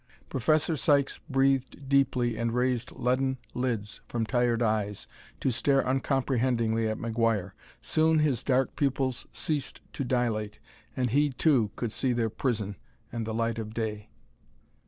Professor Sykes breathed deeply and raised leaden lids from tired eyes to stare uncomprehendingly at McGuire. Soon his dark pupils ceased to dilate, and he, too, could see their prison and the light of day.